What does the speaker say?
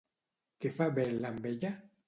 Què fa Bel amb ella?